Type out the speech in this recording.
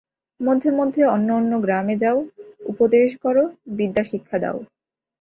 মধ্যে মধ্যে অন্য অন্য গ্রামে যাও, উপদেশ কর, বিদ্যা শিক্ষা দাও।